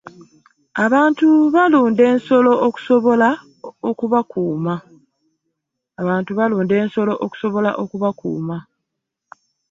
abantu balunda ensolo okusobola okubakuuma.